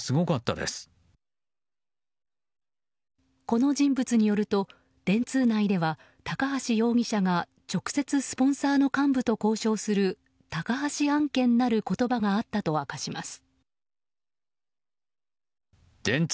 この人物によると電通内では高橋容疑者が直接スポンサーの幹部と交渉する高橋案件なる言葉があったと明かします。